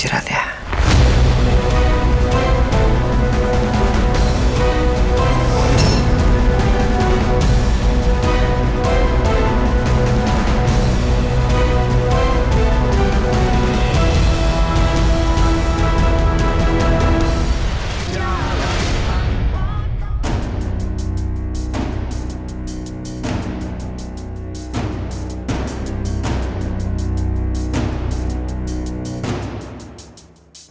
aku sangat mencikamu roy